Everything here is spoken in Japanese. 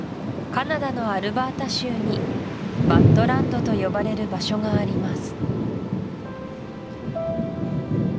カナダのアルバータ州にバッドランドと呼ばれる場所があります